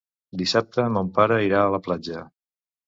Dissabte mon pare irà a la platja.